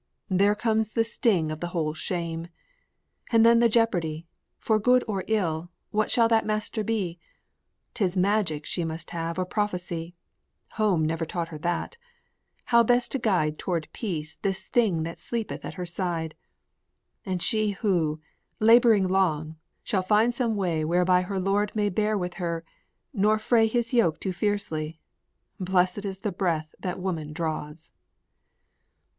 There comes the sting Of the whole shame. And then the jeopardy, For good or ill, what shall that master be; 'Tis magic she must have or prophecy Home never taught her that how best to guide Toward peace this thing that sleepeth at her side. And she who, laboring long, shall find some way Whereby her lord may bear with her, nor fray His yoke too fiercely, blessed is the breath That woman draws!